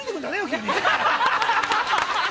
急に！